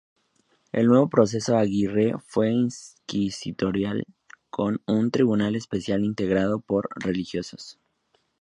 El nuevo proceso a Aguirre fue inquisitorial, con un tribunal especial integrado por religiosos.